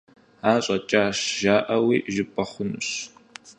Ар щӀэкӀащ, щӀэжауи жыпӀэ хъунущ.